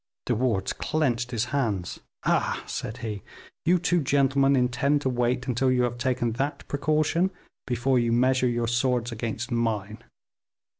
De Wardes clenched his hands. "Ah!" said he, "you two gentlemen intend to wait until you have taken that precaution before you measure your swords against mine."